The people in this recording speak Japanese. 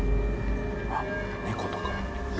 あっ猫とか？